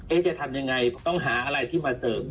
จะทำยังไงต้องหาอะไรที่มาเสริม